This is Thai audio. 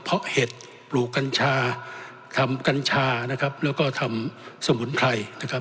เพราะเห็ดปลูกกัญชาทำกัญชานะครับแล้วก็ทำสมุนไพรนะครับ